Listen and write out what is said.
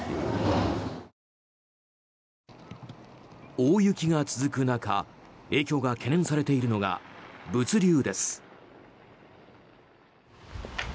大雪が続く中影響が懸念されるのが物流です。